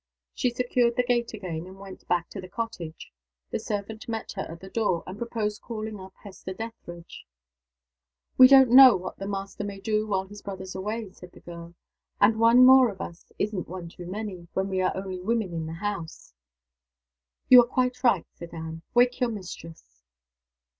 She secured the gate again, and went back to the cottage. The servant met her at the door, and proposed calling up Hester Dethridge. "We don't know what the master may do while his brother's away," said the girl. "And one more of us isn't one too many, when we are only women in the house." "You are quite right," said Anne. "Wake your mistress."